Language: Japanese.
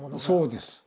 そうです。